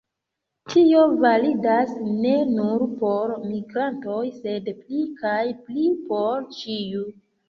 Tio validas ne nur por migrantoj, sed pli kaj pli por ĉiu.